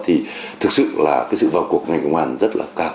thì thực sự là cái sự vào cuộc ngành công an